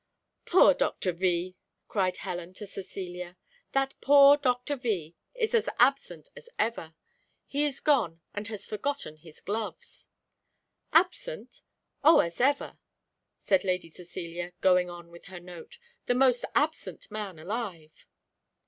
"Poor Doctor V ," cried Helen to Cecilia; "that poor Doctor V is as absent as ever! he is gone, and has forgotten his gloves!" "Absent! oh, as ever!" said Lady Cecilia, going on with her note, "the most absent man alive."